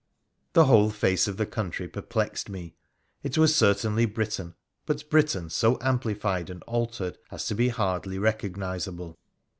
The whole face of the country perplexed me. It was certainly Britain, but Britain so amplified and altered as to be hardly recognisable.